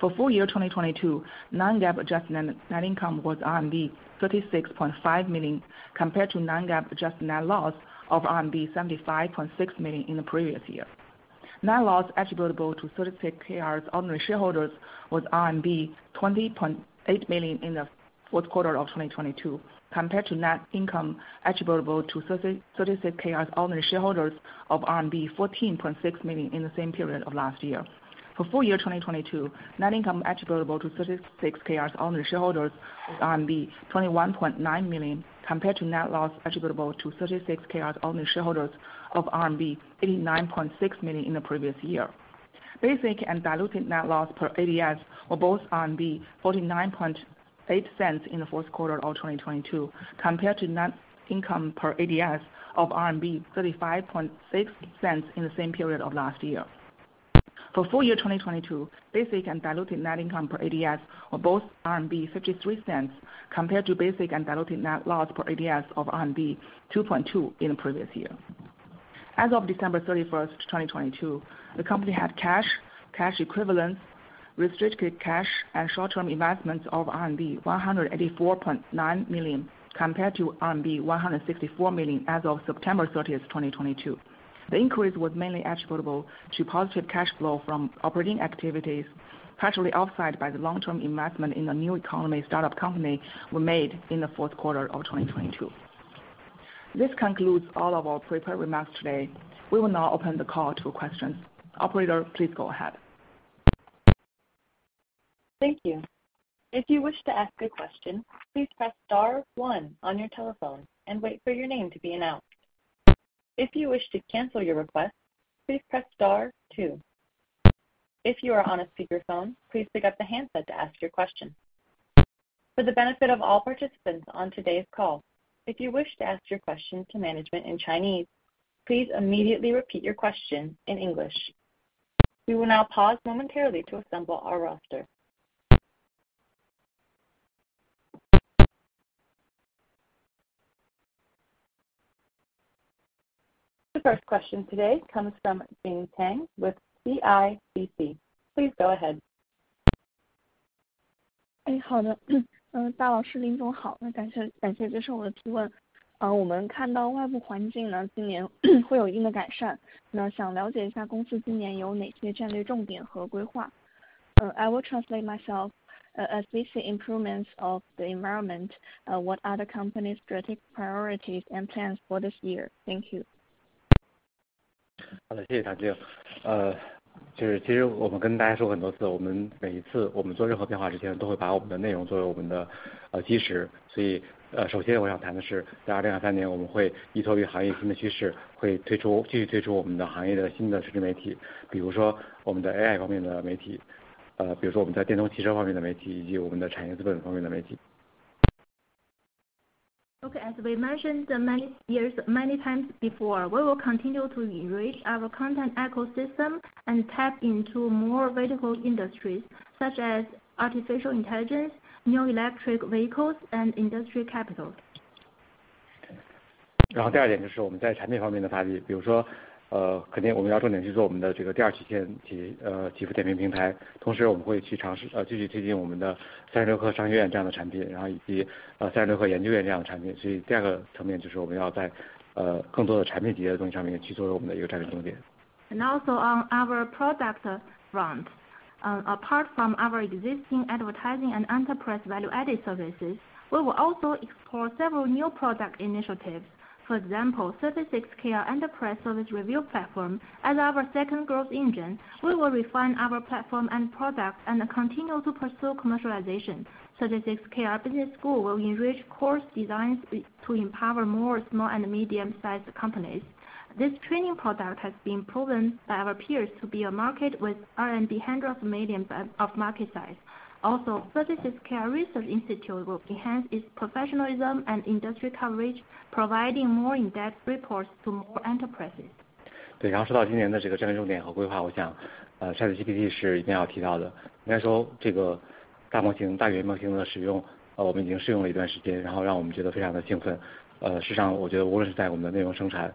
For full year 2022, non-GAAP adjusted net income was RMB 36.5 million, compared to non-GAAP adjusted net loss of RMB 75.6 million in the previous year. Net loss attributable to 36Kr's ordinary shareholders was RMB 20.8 million in the fourth quarter of 2022 compared to net income attributable to 36Kr's ordinary shareholders of RMB 14.6 million in the same period of last year. For full year 2022, net income attributable to 36Kr's ordinary shareholders was RMB 21.9 million compared to net loss attributable to 36Kr's ordinary shareholders of RMB 89.6 million in the previous year. Basic and diluted net loss per ADS were both 0.498 in the fourth quarter of 2022 compared to net income per ADS of 0.356 in the same period of last year. For full year 2022, basic and diluted net income per ADS were both 0.53 compared to basic and diluted net loss per ADS of RMB 2.2 in the previous year. As of December 31st, 2022, the company had cash equivalents, restricted cash and short-term investments of RMB 184.9 million compared to RMB 164 million as of September 30th, 2022. The increase was mainly attributable to positive cash flow from operating activities, partially offset by the long-term investment in the new economy startup company we made in the fourth quarter of 2022. This concludes all of our prepared remarks today. We will now open the call to questions. Operator, please go ahead. Thank you. If you wish to ask a question, please press star one on your telephone and wait for your name to be announced. If you wish to cancel your request, please press star two. If you are on a speakerphone, please pick up the handset to ask your question. For the benefit of all participants on today's call, if you wish to ask your question to management in Chinese, please immediately repeat your question in English. We will now pause momentarily to assemble our roster. The first question today comes from Jing Tang with CIBC. Please go ahead. Hey, howdy. I will translate myself. As we see improvements of the environment, what are the company's strategic priorities and plans for this year? Thank you. 好 的， 谢谢堂姐。呃，就是其实我们跟大家说很多次 了， 我们每一次我们做任何变化之 前， 都会把我们的内容作为我们的呃基石。所以呃首先我想谈的 是， 在二零二三 年， 我们会依托于行业新的趋 势， 会推 出， 继续推出我们的行业的新的垂直媒 体， 比如说我们的 AI 面的媒 体， 呃比如说我们在电动汽车方面的媒 体， 以及我们的产业资本方面的媒体。Okay, as we mentioned many years many times before, we will continue to enrich our content ecosystem and tap into more vertical industries such as artificial intelligence, new electric vehicles and industry capital. 第二点就是我们在产品方面的发力。比如 说， 肯定我们要重点去做我们的这个第二曲线及 企服点评平台， 同时我们会去尝试继续推进我们的 36Kr Business School 这样的产 品， 以及 36Kr Research Institute 这样的产品。第二个层面就是我们要在更多的产品层面的东西上面去作为我们的一个战略重点。On our product front. Apart from our existing advertising and enterprise value-added services, we will also explore several new product initiatives. For example, 36Kr Enterprise Service Review Platform. As our second growth engine, we will refine our platform and products and continue to pursue commercialization. This 36Kr Business School will enrich course designs to empower more small and medium-sized companies. This training product has been proven by our peers to be a market with RMB hundreds of millions of market size. 36Kr Research Institute will enhance its professionalism and industry coverage, providing more in-depth reports to more enterprises. 对， 然后说到今年的这个战略重点和规 划， 我想呃 ChatGPT 是一定要提到 的， 应该说这个大模 型， 大语言模型的使 用， 我们已经试用了一段时 间， 然后让我们觉得非常的兴奋。呃， 事实上我觉得无论是在我们的内容生产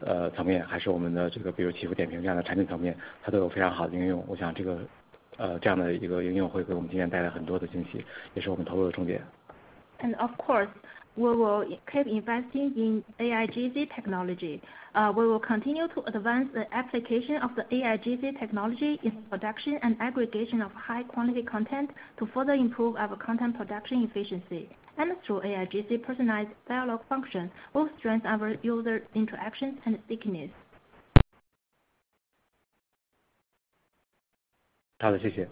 呃层 面， 还是我们的这个比如奇虎点评这样的产品层 面， 它都有非常好的应用。我想这个， 呃， 这样的一个应用会给我们今年带来很多的惊 喜， 也是我们投入的重点。Of course, we will keep investing in AIGC technology. We will continue to advance the application of the AIGC technology in production and aggregation of high quality content to further improve our content production efficiency. Through AIGC personalized dialogue function, will strengthen our user interactions and stickiness. 好 的， 谢谢。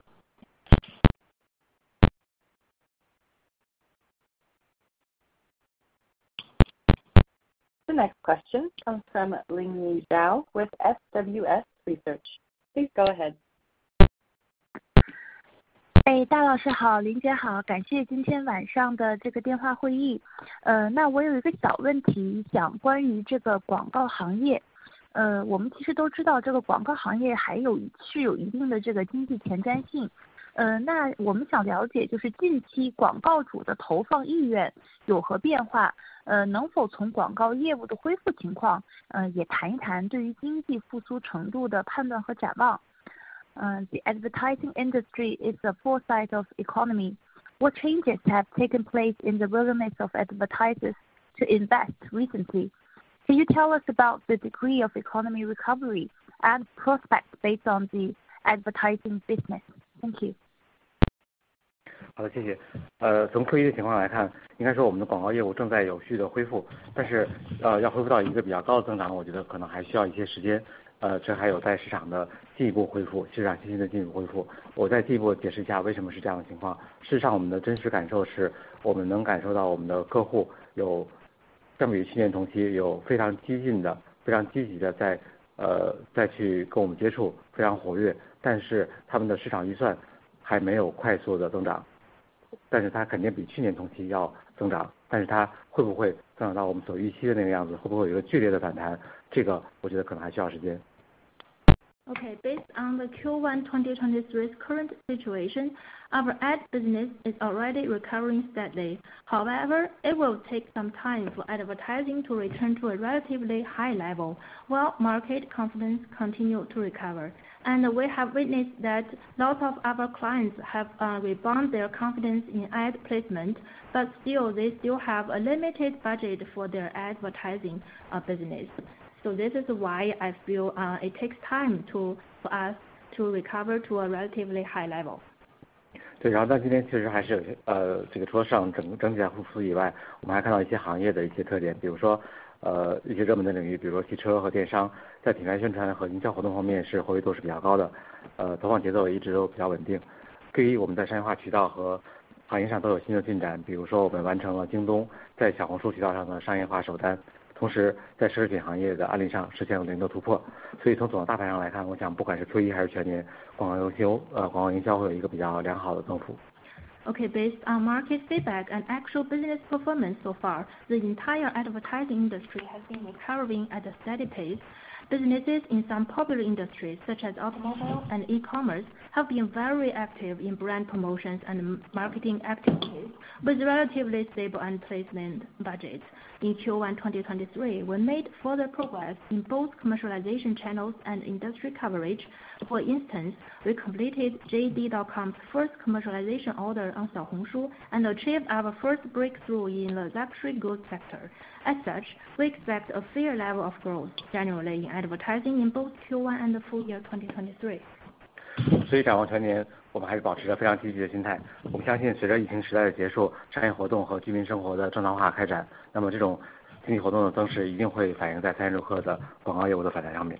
The next question comes from Ling Yao with SWS Research. Please go ahead. 哎， 大老师 好， 玲姐 好， 感谢今天晚上的这个电话会议。呃， 那我有一个小问题想关于这个广告行业， 呃， 我们其实都知道这个广告行业还有具有一定的这个经济前瞻 性， 呃， 那我们想了 解， 就是近期广告主的投放意愿有何变 化， 呃， 能否从广告业务的恢复情况呃也谈一谈对于经济复苏程度的判断和展望。嗯 ，The advertising industry is a foresight of economy. What changes have taken place in the willingness of advertisers to invest recently? Can you tell us about the degree of economy recovery and prospects based on the advertising business? Thank you. 好 的， 谢谢。呃， 从 Q1 的情况来 看， 应该说我们的广告业务正在有序地恢 复， 但是呃要恢复到一个比较高的增 长， 我觉得可能还需要一些时 间， 呃， 这还有待市场的进一步恢 复， 市场信心的进一步恢复。我再进一步解释一下为什么是这样的情况。事实上我们的真实感受是我们能感受到我们的客户有相比于去年同期有非常激进 的， 非常积极的在 呃， 再去跟我们接 触， 非常活 跃， 但是他们的市场预算还没有快速的增 长， 但是它肯定比去年同期要增 长， 但是它会不会增长到我们所预期的那个样 子， 会不会有一个剧烈的反 弹， 这个我觉得可能还需要时间。Okay, based on the Q1 2023 current situation, our ad business is already recovering steadily. However, it will take some time for advertising to return to a relatively high level. Well, market confidence continue to recover. We have witnessed that a lot of our clients have rebound their confidence in ad placement, but still they still have a limited budget for their advertising business. This is why I feel it takes time to us to recover to a relatively high level. 到今天确实还 是， 这个除了整个整体在复苏以 外， 我们还看到一些行业的一些特 点， 比如说一些热门的领 域， 比如汽车和电 商， 在品牌宣传和营销活动方面也是活跃度是比较高 的， 投放节奏也一直都比较稳定。Q1 我们在商业化渠道和行业上都有新的进 展， 比如说我们完成了 JD.com 在 Xiaohongshu 渠道上的商业化首单，同时在奢侈品行业的案例上实现了0的突破。从整个大盘上来 看， 我想不管是 Q1 还是全 年， 广告优 投， 广告营销会有1个比较良好的增幅。Based on market feedback and actual business performance so far, the entire advertising industry has been recovering at a steady pace. Businesses in some popular industries, such as automobile and e-commerce, have been very active in brand promotions and marketing activities with relatively stable ad placement budgets. In Q1 2023, we made further progress in both commercialization channels and industry coverage. For instance, we completed JD.com first commercialization order on 小红 书, and achieved our first breakthrough in the luxury goods sector. We expect a fair level of growth generally in advertising in both Q1 and the full year 2023. 所以展望全 年， 我们还是保持着非常积极的心态。我们相信随着疫情时代的结 束， 商业活动和居民生活的正常化开 展， 那么这种经济活动的增势一定会反映在三十六克的广告业务的表现上面。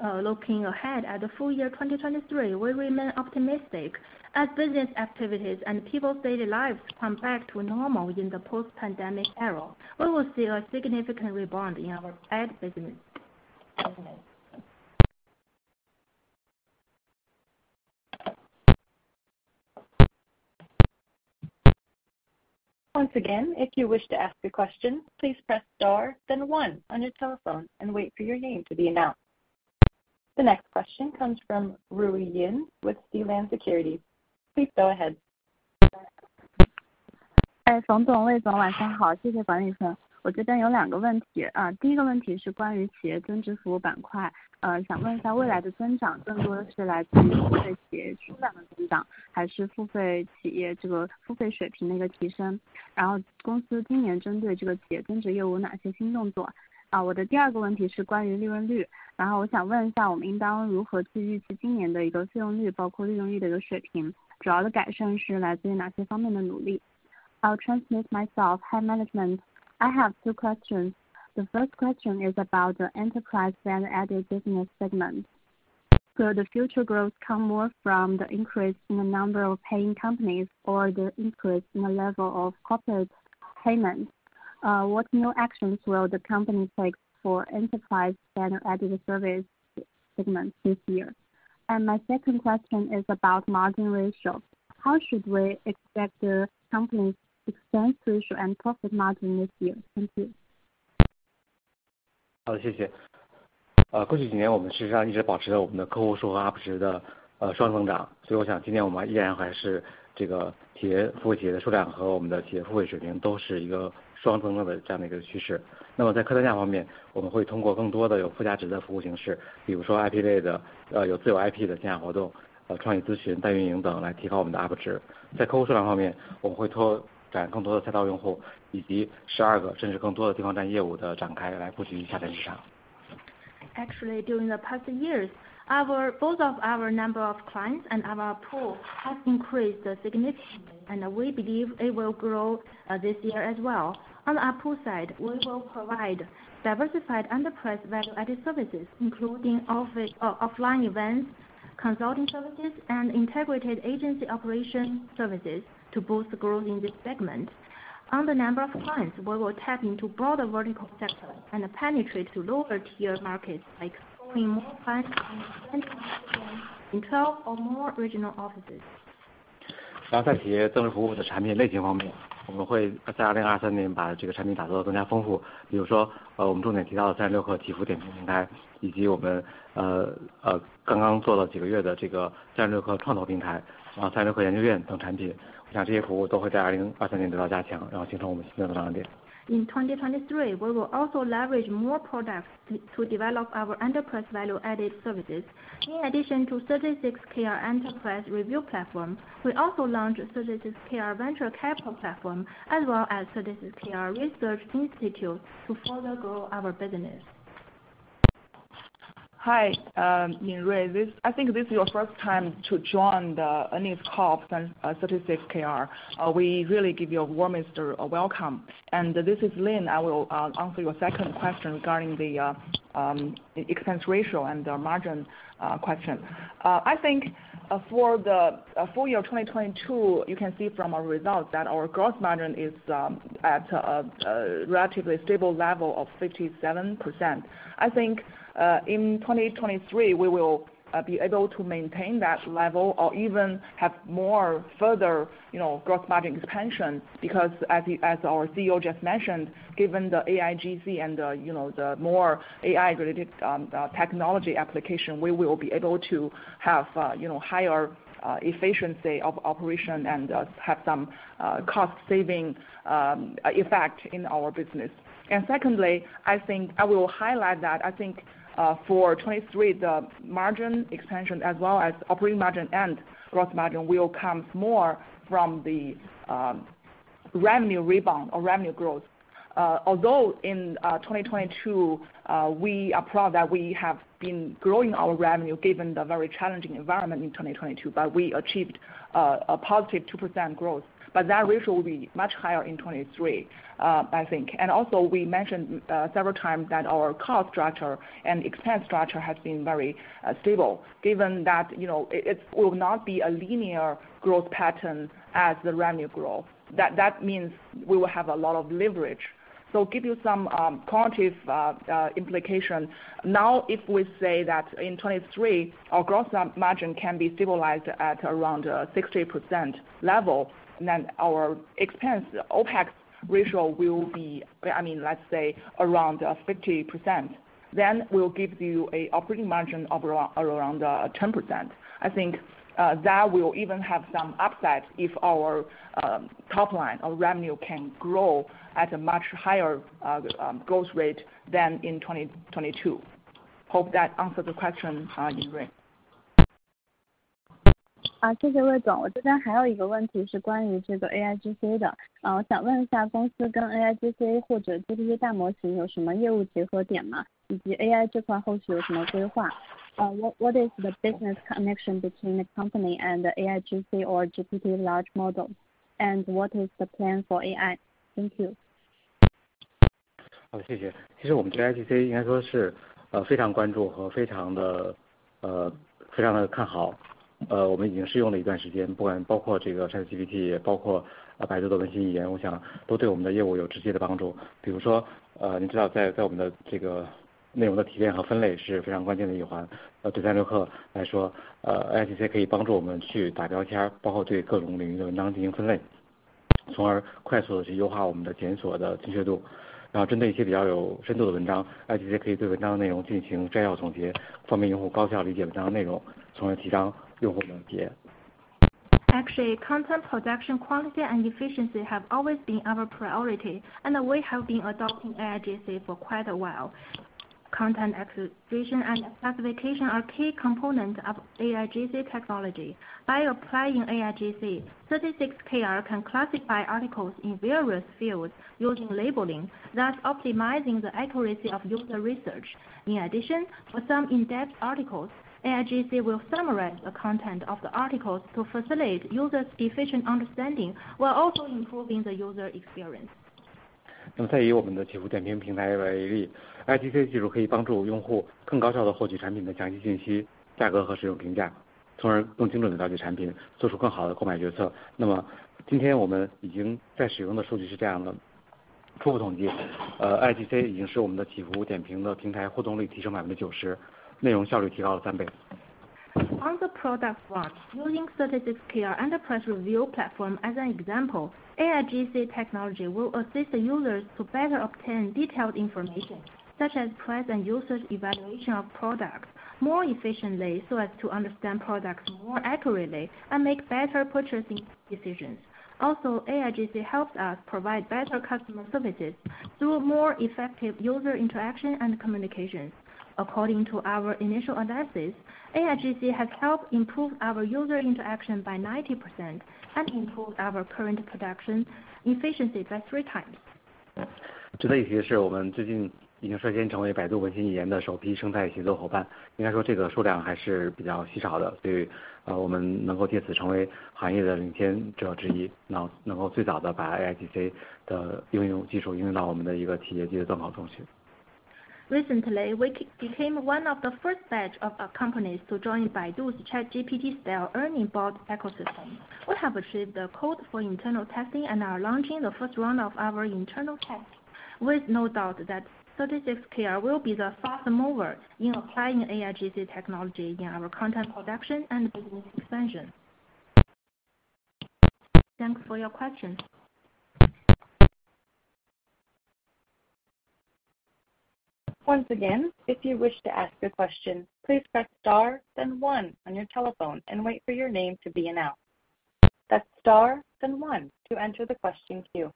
Looking ahead at the full year 2023. We remain optimistic as business activities and people's daily lives come back to normal in the post pandemic era. We will see a significant rebound in our AD business. If you wish to ask a question, please press star then 1 on your telephone and wait for your name to be announced. The next question comes from Rui Yin with Z Land Security. Please go ahead. 哎， 冯 总， 魏总晚上 好， 谢谢管理 层， 我这边有两个问题啊。第一个问题是关于企业增值服务板 块， 呃想问一下未来的增长更多的是来自于付费企业数量的增 长， 还是付费企业这个付费水平的一个提升。然后公司今年针对这个企业增值业务有哪些新动 作？ 啊我的第二个问题是关于利润率。然后我想问一 下， 我们应当如何去预期今年的一个利用 率， 包括利用率的一个水 平， 主要的改善是来自于哪些方面的努 力？ I'll transmit myself. Hi management. I have two questions. The first question is about the enterprise value added business segment. The future growth come more from the increase in the number of paying companies or the increase in the level of corporate payments? What new actions will the company take for enterprise value added service segments this year? My second question is about margin ratio. How should we expect the company's expense ratio and profit margin this year? Thank you. 谢谢。过去几年我们实际上一直保持着我们的客户数和 ARPU 值的双增 长， 我想今年我们依然还是这个企业服务企业的数量和我们的企业付费水平都是一个双增长的这样的一个趋势。在客单价方 面， 我们会通过更多的有附加值的服务形 式， 比如说 IP 类 的， 有自有 IP 的线下活 动， 创作咨询、代运营等来提高我们的 ARPU 值。在客户数量方 面， 我们会拓展更多的赛道用 户， 以及12个甚至更多的地方站业务的展开来布局下沉市场。Actually, during the past years, our both of our number of clients and our pool has increased significantly and we believe it will grow this year as well. On our pool side, we will provide diversified enterprise value added services, including office of offline events, consulting services and integrated agency operation services to boost growth in this segment. On the number of clients we will tap into broader vertical sectors and penetrate to lower tier markets like in 12 or more regional offices. 然后在企业增值服务的产品类型方 面， 我们会在2023年把这个产品打造得更加丰 富， 比如说我们重点提到的三十六氪体福点评平 台， 以及我们呃呃刚刚做了几个月的这个三十六氪创投平 台， 啊三十六氪研究院等产 品， 我想这些服务都会在2023年得到加 强， 然后形成我们新的增长点。In 2023, we will also leverage more products to develop our enterprise value added services. In addition to 36Kr Enterprise Review Platform, we also launched 36Kr Venture Capital Platform as well as 36Kr Research Institute to further grow our business. Hi, Min Ray this. I think this is your first time to join the earnings call since 36Kr. We really give you a warmest welcome. This is Lynn. I will answer your second question regarding the expense ratio and the margin question. I think for the full year 2022, you can see from our results that our gross margin is at a relatively stable level of 57%. I think in 2023, we will be able to maintain that level or even have more further, you know, gross margin expansion. Because as our CEO just mentioned, given the AIGC and you know the more AI related technology application, we will be able to have, you know, higher efficiency of operation and have some cost saving effect in our business. Secondly, I think I will highlight that I think for 2023, the margin expansion as well as operating margin and gross margin will come more from the revenue rebound or revenue growth. Although in 2022 we are proud that we have been growing our revenue given the very challenging environment in 2022. We achieved a positive 2% growth. That ratio will be much higher in 2023, I think. Also we mentioned several times that our cost structure and expense structure has been very stable, given that, you know, it will not be a linear growth pattern as the revenue growth, that that means we will have a lot of leverage. Give you some quantitative implication. Now, if we say that in 2023, our gross margin can be stabilized at around 60% level, then our expense OPEX ratio will be, I mean, let's say around 50%, then we'll give you a operating margin of around 10%. I think that will even have some upside if our top line or revenue can grow at a much higher growth rate than in 2022. Hope that answer the question, Min Ray. 谢谢 Wei Zong. 我这边还有一个问题是关于这个 AIGC 的， 我想问一下公司跟 AIGC 或者 GPT 大模型有什么业务结合点 吗？ 以及 AI 这块后续有什么规 划？ What is the business connection between the company and the AIGC or GPT large model, and what is the plan for AI? Thank you. 好，谢谢。其 实我们对 AIGC 应该说是非常关注和非常的非常的看好。我们已经试用了一段时 间， 不管包括这个 ChatGPT， 也包括 Baidu 的人工智 能， 我想都对我们的业务有直接的帮助。比如 说， 你知道在我们的这个内容的提炼和分类是非常关键的一 环， 这对 36Kr 来 说， AIGC 可以帮助我们去打标 签， 包括对各种领域的文章进行分 类， 从而快速地去优化我们的检索的精确度。针对一些比较有深度的文 章， AIGC 可以对文章内容进行摘要总 结， 方便用户高效理解文章内 容， 从而提高用户黏结。Actually, content production quality and efficiency have always been our priority, and we have been adopting AIGC for quite a while. Content extraction and classification are key components of AIGC technology. By applying AIGC, 36Kr can classify articles in various fields using labeling, thus optimizing the accuracy of user research. In addition, for some in-depth articles, AIGC will summarize the content of the articles to facilitate users efficient understanding while also improving the user experience. 再以我们的企服点评平台为 例, AIGC 技术可以帮助用户更高效地获取产品的详细信息、价格和使用评 价， 从而更精准地了解产 品， 做出更好的购买决策。今天我们已经在使用的数据是这样 的, 初步统 计， AIGC 已经使我们的企服点评的平台互动率提升了 90%， 内容效率提高了3 times。On the product front, using 36Kr Enterprise Service Review Platform as an example, AIGC technology will assist the users to better obtain detailed information, such as price and usage evaluation of product more efficiently so as to understand products more accurately and make better purchasing decisions. AIGC helps us provide better customer services through more effective user interaction and communications. According to our initial analysis, AIGC has helped improve our user interaction by 90% and improve our current production efficiency by 3 times. 值得一提的 是， 我们最近已经率先成为百度文心一言的首批生态协作伙 伴， 应该说这个数量还是比较稀少的。对 于， 呃， 我们能够借此成为行业的领先者之 一， 能-能够最早地把 AIGC 的应用技术运用到我们的一个企业级正常工作。Recently, we became one of the first batch of companies to join Baidu's ChatGPT style ERNIE Bot ecosystem. We have achieved the code for internal testing and are launching the first round of our internal test. With no doubt that 36Kr will be the fast mover in applying AIGC technology in our content production and business expansion. Thanks for your question. Once again, if you wish to ask a question, please press star then one on your telephone and wait for your name to be announced. Press star then one to enter the question queue.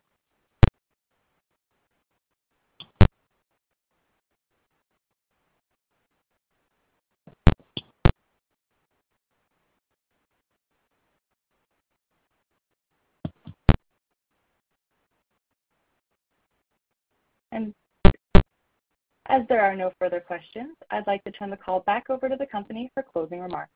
As there are no further questions, I'd like to turn the call back over to the company for closing remarks.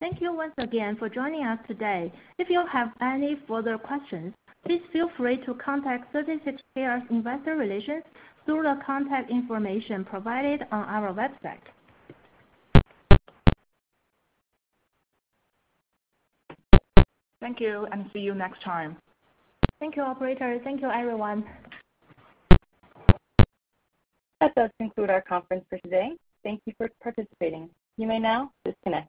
Thank you once again for joining us today. If you have any further questions, please feel free to contact 36Kr's investor relations through the contact information provided on our website. Thank you and see you next time. Thank you operator. Thank you everyone. That does conclude our conference for today. Thank you for participating. You may now disconnect.